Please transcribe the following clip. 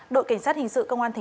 đội cảnh sát hình sự công an tp hcm